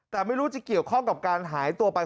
แต่ไม่รู้จะเกี่ยวข้องกับการหายตัวไป